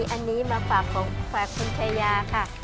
อันนี้มาฝากคุณชายาค่ะ